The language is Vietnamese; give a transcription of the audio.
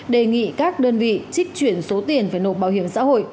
đề nghị các đơn vị trích chuyển số tiền phải nộp bảo hiểm xã hội